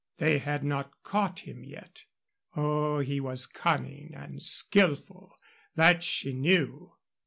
They had not caught him yet. Oh, he was cunning and skillful; that she knew.